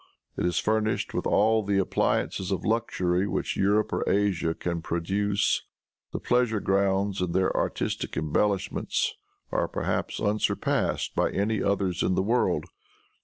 It is furnished with all the appliances of luxury which Europe or Asia can produce. The pleasure grounds, in their artistic embellishments, are perhaps unsurpassed by any others in the world.